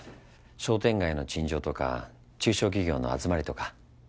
商店街の陳情とか中小企業の集まりとか。